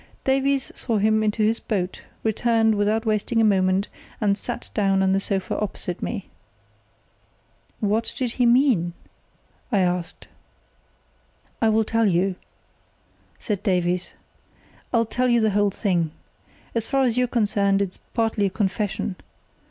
Davies saw him into his boat, returned without wasting a moment, and sat down on the sofa opposite me. "What did he mean?" I asked. "I'll tell you," said Davies, "I'll tell you the whole thing. As far as you're concerned it's partly a confession.